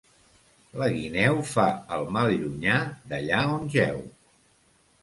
La guineu fa el mal lluny d'allà on jeu.